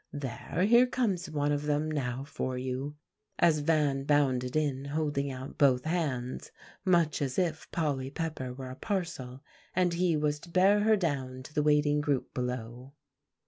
There, here comes one of them now for you," as Van bounded in, holding out both hands, much as if Polly Pepper were a parcel, and he was to bear her down to the waiting group below.